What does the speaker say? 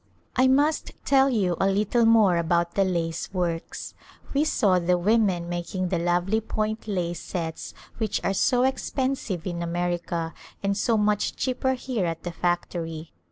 I must tell you a little more about the lace works. We saw the women making the lovely point lace sets which are so expensive in America and so much cheaper here at the factory.